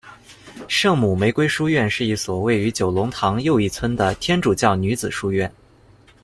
圣母玫瑰书院是一所位于九龙塘又一村的天主教女子书院。